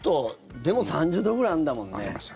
でも、３０度ぐらいあるんだもんね。